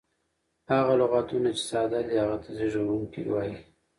هغه لغتونه، چي ساده دي هغه ته زېږوونکی وایي.